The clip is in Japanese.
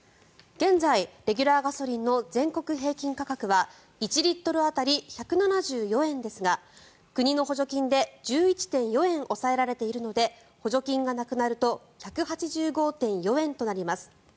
現在レギュラーガソリンの全国平均価格は１リットル当たり１７４円ですが国の補助金で１１．４円抑えられているので補助金がなくなると１８５．４円となります。